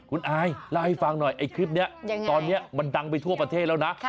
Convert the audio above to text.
คุณอายเล่าให้ฟังหน่อยไอ้คลิปนี้ตอนนี้มันดังไปทั่วประเทศแล้วนะ